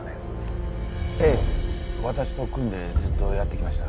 ええわたしと組んでずっとやってきました。